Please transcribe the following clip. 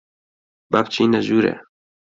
با بچینە ژوورێ.